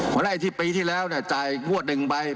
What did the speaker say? เพราะฉะนั้นปีที่แล้วจ่ายงวด๑ใบ